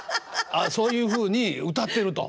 そういうふうに歌ってると。